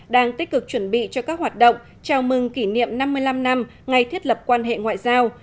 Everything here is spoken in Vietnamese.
đang tích cực chuẩn bị cho các hoạt động chào mừng kỷ niệm năm mươi năm năm ngày thiết lập quan hệ ngoại giao